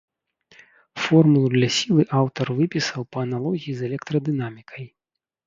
Формулу для сілы аўтар выпісаў па аналогіі з электрадынамікай.